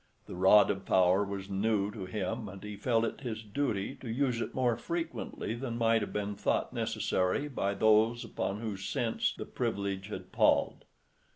The rod of power was new to him, and he felt it his "duty" to use it more frequently than might have been thought necessary by those upon whose sense the privilege had palled.